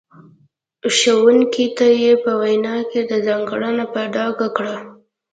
ښوونکو ته یې په وینا کې دا ځانګړنه په ډاګه کړه.